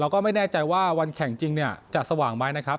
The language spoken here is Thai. ก็ไม่แน่ใจว่าวันแข่งจริงจะสว่างไหมนะครับ